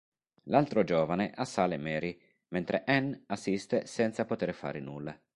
L'altro giovane assale Mary mentre Ann assiste senza poter fare nulla.